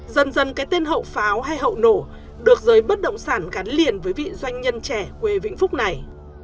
dần dần cái tên hậu pháo hay hậu nổ được giới bất động sản gắn liền với vị doanh nhân trẻ quê vĩnh phúc này